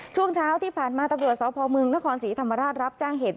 ช่วงเช้าที่ผ่านมาตำรวจสพมนครศรีธรรมราชรับแจ้งเหตุ